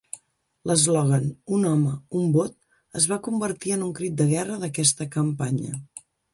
L'eslògan "un home, un vot" es va convertir en un crit de guerra d'aquesta campanya.